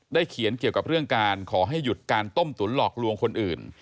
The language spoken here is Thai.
เขียนเกี่ยวกับเรื่องการขอให้หยุดการต้มตุ๋นหลอกลวงคนอื่น